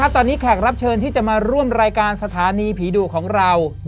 ตอนนี้แขกรับเชิญที่จะมาร่วมรายการสถานีผีดุของเรา